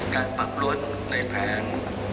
การปรับรถในแผง